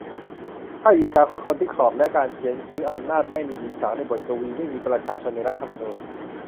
ถ้า หญิงสาว คือ คนที่ขอบ และ การเขียน คือ อำนาจ. ไม่มีหญิงสาวในบทกวี. ไม่มีประชาชนในรัฐธรรมนูญ.